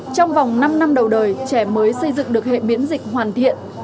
trong vòng năm năm đầu đời trẻ mới xây dựng được hệ miễn dịch hoàn thiện